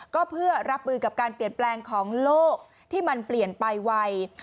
ก็เพื่อรับมือกับการเปลี่ยนแปลงของโลกที่มันเปลี่ยนไปไว